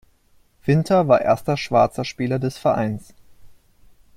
Winter war erster schwarzer Spieler des Vereins.